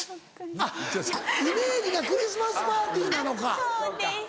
あっイメージがクリスマスパーティーなのか。